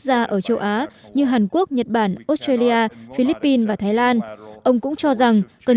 gia ở châu á như hàn quốc nhật bản australia philippines và thái lan ông cũng cho rằng cần